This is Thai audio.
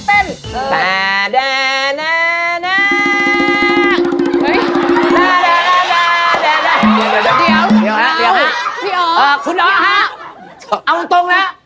เอาถึงตรงแหละ